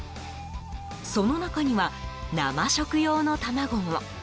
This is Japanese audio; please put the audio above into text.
その中には、生食用の卵も。